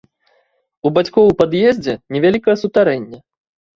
У бацькоў у пад'ездзе невялікае сутарэнне.